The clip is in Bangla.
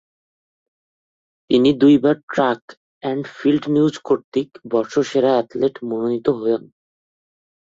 তিনি দুইবার ট্র্যাক এন্ড ফিল্ড নিউজ কর্তৃক বর্ষসেরা অ্যাথলেট মনোনীত হন।